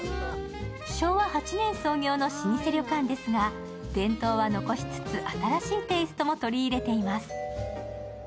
昭和８年創業の老舗旅館ですが、伝統は残しつつ新しいテイストも取り入れています。